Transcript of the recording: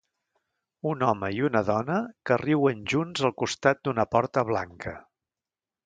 Un home i una dona que riuen junts al costat d'una porta blanca.